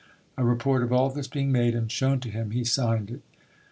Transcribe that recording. A report of all this being made and shown to him, he signed it.